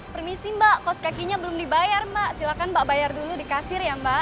permisi mbak kos kakinya belum dibayar mbak silakan mbak bayar dulu di kasir ya mbak